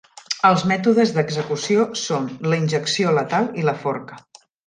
Els mètodes d'execució són la injecció letal i la forca.